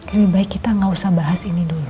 lebih baik kita gak usah bahas ini dulu